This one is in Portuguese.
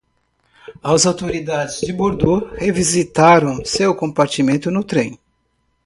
As autoridades de Bordeaux revistaram seu compartimento no trem.